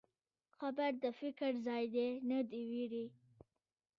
قبر د فکر ځای دی، نه د وېرې.